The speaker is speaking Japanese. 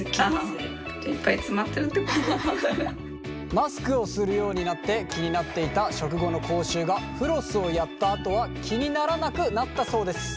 マスクをするようになって気になっていた食後の口臭がフロスをやったあとは気にならなくなったそうです。